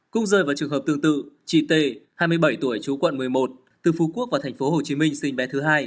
cũng rơi vào trường hợp tương tự chị tê hai mươi bảy tuổi chú quận một mươi một từ phú quốc vào thành phố hồ chí minh sinh bé thứ hai